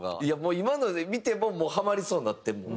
今ので見てももうハマりそうになってるもん。